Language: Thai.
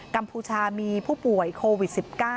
กมชามีผู้ป่วยโควิด๑๙